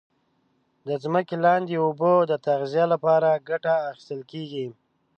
د ځمکې لاندي اوبو د تغذیه لپاره کټه اخیستل کیږي.